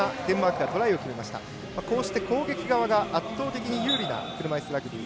攻撃側が圧倒的な有利な車いすラグビー。